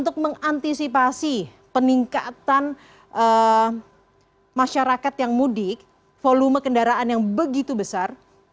untuk mengantisipasi peningkatan masyarakat yang mudik volume kendaraan yang begitu besar